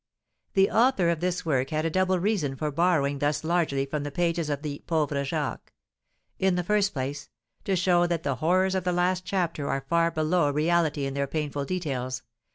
The author of this work had a double reason for borrowing thus largely from the pages of the "Pauvre Jacques." In the first place, to show that the horrors of the last chapter are far below reality in their painful details.